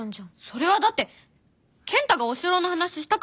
それはだって健太がお城の話したからじゃん！